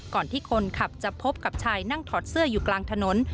ก่อนที่คนขับจะพบกับชายนั่งถอดเสื้ออยู่กลางถนน